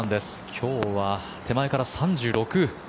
今日は手前から３６。